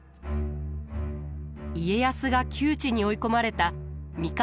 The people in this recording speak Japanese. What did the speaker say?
家康が窮地に追い込まれた三河